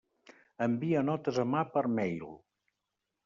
Envia notes a mà per mail.